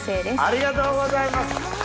ありがとうございます。